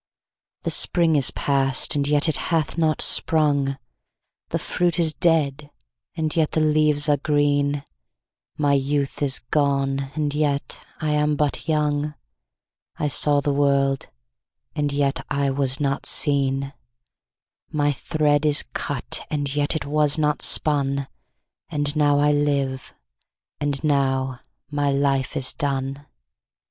7The spring is past, and yet it hath not sprung,8The fruit is dead, and yet the leaves are green,9My youth is gone, and yet I am but young,10I saw the world, and yet I was not seen,11My thread is cut, and yet it was not spun,12And now I live, and now my life is done.